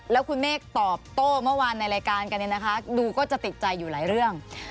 แล้วคุณเมฆตอบโต้เมื่อวานในรายการกันเนี่ยนะคะดูก็จะติดใจอยู่หลายเรื่อง